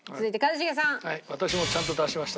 私もちゃんと出しました。